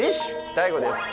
ＤＡＩＧＯです。